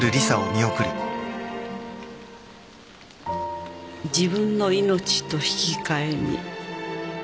「自分の命と引き換えに」